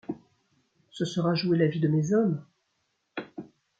Ce sera jouer la vie de mes hommes ?